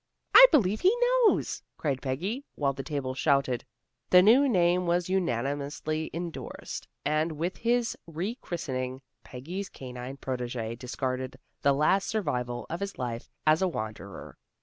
"I believe he knows," cried Peggy, while the table shouted. The new name was unanimously endorsed, and with his re christening, Peggy's canine protégé discarded the last survival of his life as a wanderer.